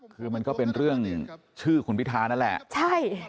คือมันก็เป็นเรื่องชื่อคุณพิทานั่นแหละใช่